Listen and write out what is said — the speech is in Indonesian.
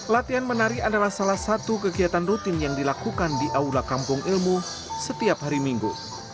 latihan menari adalah salah satu kegiatan rutin yang dilakukan di aula kampung ilmu setiap hari minggu